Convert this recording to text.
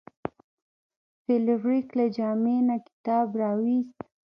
فلیریک له جامې نه کتاب راویوست.